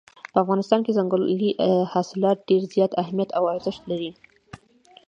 په افغانستان کې ځنګلي حاصلات ډېر زیات اهمیت او ارزښت لري.